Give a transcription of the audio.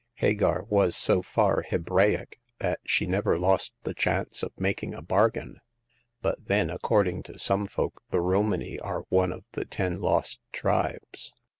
Hagar was so far Hebraic that she never lost the chance of making a bargain ; but then, according to some folk, the Romany are one of the ten lost tribes.